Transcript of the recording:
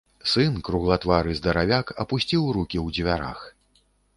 Сын, круглатвары здаравяк, апусціў рукі ў дзвярах.